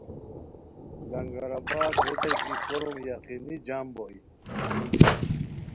لنگرآباد ریتائے کی کوروم یقینی جم بوئے